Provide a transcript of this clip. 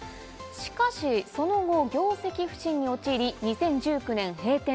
しかしその後、業績不振に陥り、２０１９年閉店。